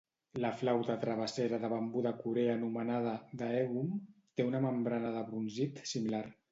La flauta travessera de bambú de Corea anomenada "daegum" té una membrana de brunzit similar.